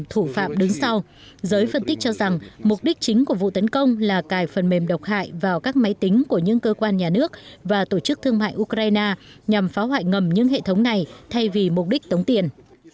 thủ phạm giới phân tích cho rằng mục đích chính của vụ tấn công là cài phần mềm độc hại vào các máy tính của những cơ quan nhà nước và tổ chức thương mại ukraine nhằm phá hoại ngầm những hệ thống này thay vì mục đích tống tiền